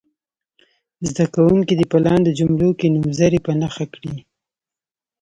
زده کوونکي دې په لاندې جملو کې نومځري په نښه کړي.